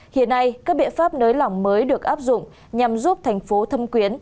hiện nay các biện pháp nới lỏng mới được áp dụng nhằm giúp thành phố thâm quyến